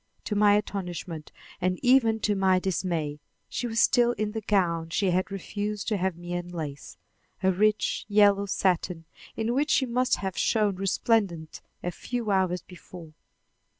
To my astonishment and even to my dismay she was still in the gown she had refused to have me unlace, a rich yellow satin in which she must have shone resplendent a few hours before.